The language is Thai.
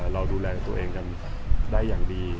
เราดูแลตัวเองกันได้อย่างดี